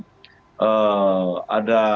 itu kalau misalkan nanti ada titik temu